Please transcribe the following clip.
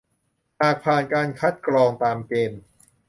หากผ่านการคัดกรองตามเกณฑ์